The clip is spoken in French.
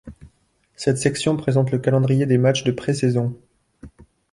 Cette section présente le calendrier des matchs de pré-saisons.